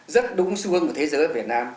rất đúng xu hướng của thế giới việt nam